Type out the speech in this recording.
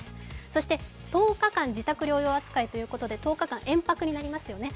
そして１０日間、自宅療養扱いで１０日間は延泊になりますよね。